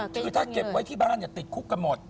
คือถ้าเก็บไว้ที่บ้านติดคุกกันหมด